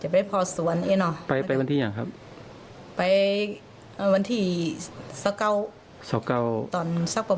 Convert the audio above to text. ไปวานที่อย่างครับ